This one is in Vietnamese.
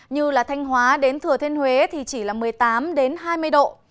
như thanh hóa đến thừa thiên huế thì chỉ là một mươi tám hai mươi độ